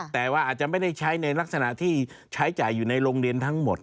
แต่ว่าอาจจะไม่ได้ใช้ในลักษณะที่ใช้จ่ายอยู่ในโรงเรียนทั้งหมด